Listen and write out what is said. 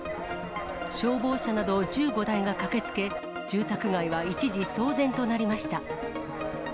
消防車など１５台が駆けつけ、住宅街は一時騒然となりました。